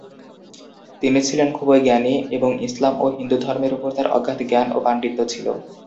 তিনি ছিলেন খুবই জ্ঞানী এবং ইসলাম ও হিন্দু ধর্মের ওপর তার অগাধ জ্ঞান ও পাণ্ডিত্য ছিল।